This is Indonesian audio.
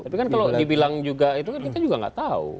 tapi kan kalau dibilang juga itu kan kita juga nggak tahu